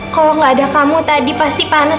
kalau nggak ada kamu tadi pasti panas